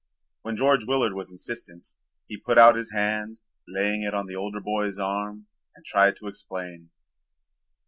When George Willard was insistent he put out his hand, laying it on the older boy's arm, and tried to explain.